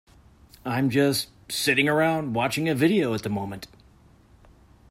I'm just sitting around watching a video at the moment.